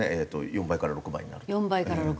４倍から６倍になる。